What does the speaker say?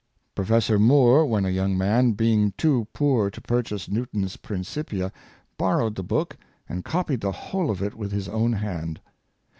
Professor Moor, when a young man, being too poor to purchase Newton's " Principia," borrowed the book, and copied the whole of it with his own hand.